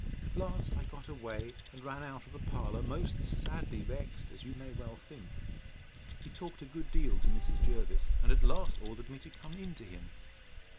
—At last I got away, and ran out of the parlour, most sadly vexed, as you may well think. He talked a good deal to Mrs. Jervis, and at last ordered me to come in to him.